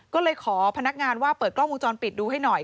ก็เลยขอพนักงานว่าเปิดกล้องวงจรปิดดูให้หน่อย